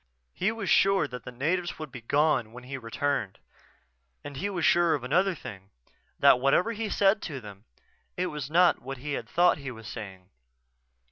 He was sure that the natives would be gone when he returned. And he was sure of another thing: That whatever he had said to them, it was not what he had thought he was saying.